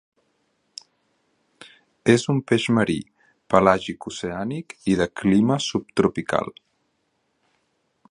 És un peix marí, pelàgic-oceànic i de clima subtropical.